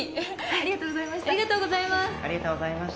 ありがとうございます。